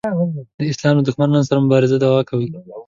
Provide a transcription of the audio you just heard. د اسلام له دښمنانو سره مبارزې دعوا کوي.